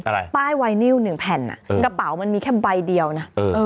อะไรป้ายไวนิวหนึ่งแผ่นอ่ะกระเป๋ามันมีแค่ใบเดียวนะเออ